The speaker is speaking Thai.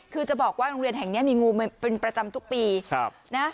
คือจะบอกว่าโรงเรียนแห่งนี้มีงูเป็นประจำทุกปีนะ